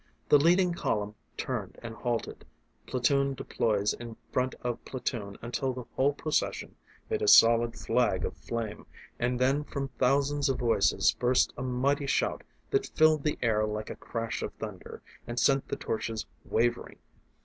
The leading column turned and halted, platoon deploys in front of platoon until the whole procession made a solid flag of flame, and then from thousands of voices burst a mighty shout that filled the air like a crash of thunder, and sent the torches wavering.